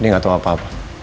dia gak tau apa apa